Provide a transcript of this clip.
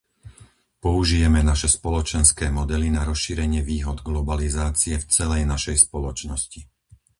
Použijeme naše spoločenské modely na rozšírenie výhod globalizácie v celej našej spoločnosti.